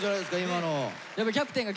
今の。